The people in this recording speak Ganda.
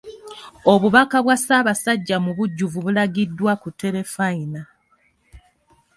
Obubaka bwa Ssaabasajja mu bujjuvu bulagiddwa ku Terefayina.